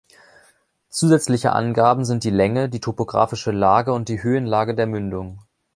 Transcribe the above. Zusätzliche Angaben sind die Länge, die topografische Lage und die Höhenlage der Mündung.